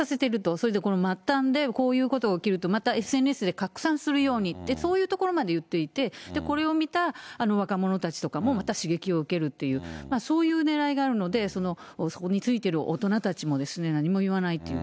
それでこういう末端で、こういうことが起きると、またＳＮＳで拡散するようにと、そういうところまで言っていて、これを見た若者たちとかも、また刺激を受けるっていう、そういうねらいがあるので、そこについている大人たちも何も言わないという。